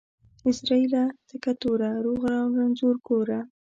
عزرائيله تکه توره ، روغ او رنځور گوره.